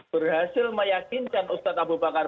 berhasil meyakinkan ustadz abu bakar